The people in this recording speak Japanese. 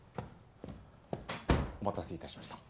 お待たせ致しました。